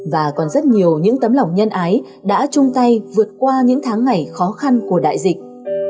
và còn rất nhiều những tấm lòng nhân ái đã chung tay vượt qua những tháng ngày khó khăn của đại dịch